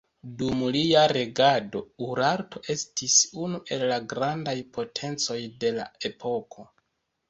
Dum lia regado, Urarto estis unu el la grandaj potencoj de la epoko.